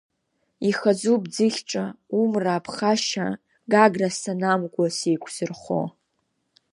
Ихазуп, Ӡыхьҿа, умра аԥхашьа, Гагра санамкуа сеиқәзырхо.